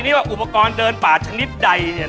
นี่ว่าอุปกรณ์เดินป่าชนิดใด